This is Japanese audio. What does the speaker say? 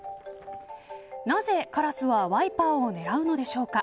なぜ、カラスはワイパーを狙うのでしょうか。